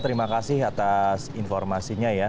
terima kasih atas informasinya ya